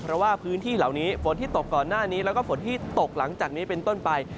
เพราะว่าพื้นที่เหล่านี้ฝนที่ตกก่อนหน้านี้แล้วก็ฝนที่ตกหลังจากนี้เป็นต้นไป